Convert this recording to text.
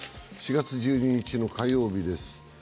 ４月１２日の火曜日です。